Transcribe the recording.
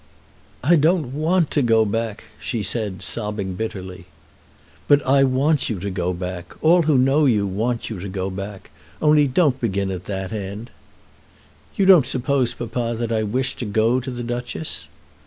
"I don't want to go back," she said, sobbing bitterly. "But I want you to go back. All who know you want you to go back. Only don't begin at that end." "You don't suppose, papa, that I wish to go to the Duchess?"